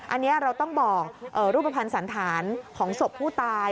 อันนี้เราต้องบอกรูปภัณฑ์สันธารของศพผู้ตาย